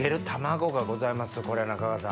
これ中川さん？